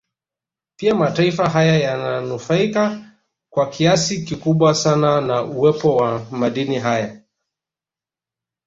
Pia mataifa haya yananufaika kwa kiasi kikubwa sana na uwepo wa madini haya